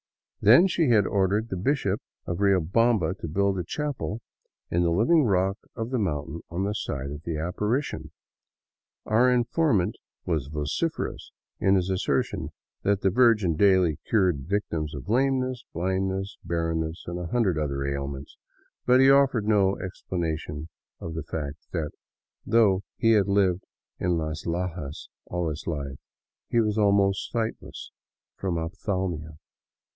Then she had ordered the Bishop of Riobamba to build a chapel in the living rock of the mountain on the site of the apparition. Our informant was vociferous in his asser tion that the Virgin daily cured victims of lameness, blindness, barren ness, and a hundred other ailments ; but he oflfered no explanation of the fact that though he had lived in Las Lajas all his life, he was almost sightless from ophthalmia.